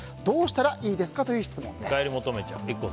どうしたらいいですかという質問です。